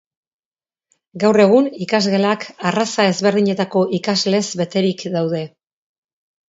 Gaur egun ikasgelak arraza ezberdinetako ikaslez beterik daude.